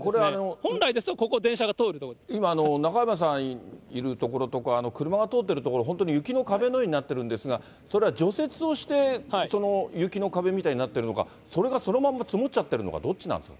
本来ですと、今、中山さんがいる所とか、車が通っているところ、本当に雪の壁のようになってるんですが、それは除雪をして、その雪の壁みたいになってるのか、それがそのまま積もっちゃってるのかどっちなんですか？